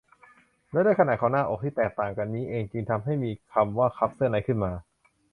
และด้วยขนาดของหน้าอกที่แตกต่างกันนี้เองจึงทำให้มีคำว่า คัพเสื้อใน ขึ้นมา